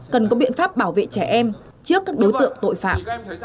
cần có biện pháp bảo vệ trẻ em trước các đối tượng tội phạm